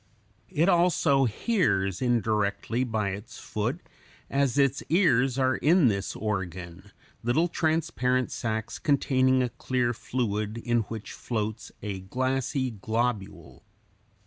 It also hears indirectly by its foot, as its ears are in this organ, little transparent sacs containing a clear fluid in which floats a glassy globule.